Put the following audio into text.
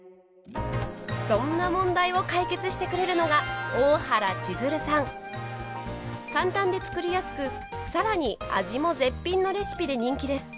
そんな問題を解決してくれるのが簡単で作りやすくさらに味も絶品のレシピで人気です。